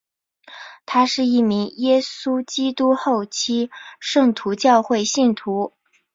他是一名耶稣基督后期圣徒教会信徒。